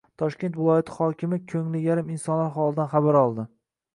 Toshkent viloyati hokimi ko‘ngli yarim insonlar holidan xabar oldi